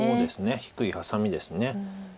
低いハサミです。